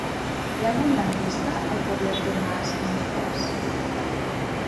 Hi ha algun lampista al carrer de Tomàs Mieres?